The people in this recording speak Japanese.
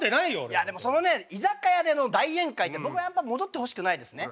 いやでもそのね居酒屋での大宴会って僕はやっぱ戻ってほしくないですね。